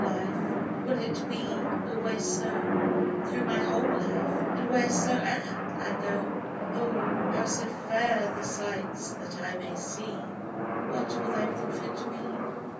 Life ! will it be always so, Through my whole life, and wheresoe'er I go ? Oh ! how so fair the sights that I may see What will they profit me